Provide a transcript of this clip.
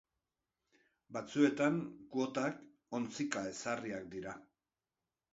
Batzuetan, kuotak ontzika ezarriak dira.